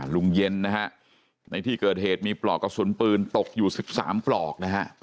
ลุงเย็นที่เกิดเหตุมีปลอกกระสุนปืนตกอยู่๑๓ปลอก